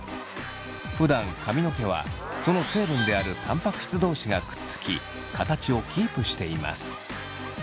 ふだん髪の毛はその成分であるタンパク質同士がくっつき形をキープしています。